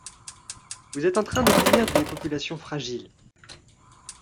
Vous êtes en train de punir des populations fragiles.